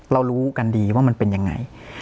รู้กันดีว่ามันเป็นยังไง